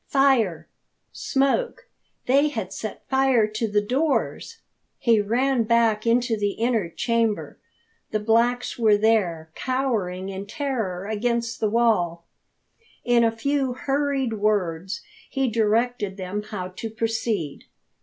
Fire smoke! They had set fire to the doors! He ran back into the inner chamber. The blacks were there, cowering in terror against the wall. In a few hurried words he directed them how to proceed.